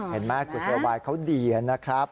เห็นไหมกุศวายเขาดีนะครับ